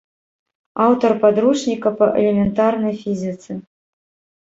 Аўтар падручніка па элементарнай фізіцы.